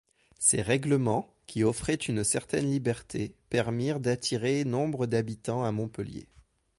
Ces règlements, qui offraient une certaine liberté, permirent d'attirer nombre d'habitants à Montpellier.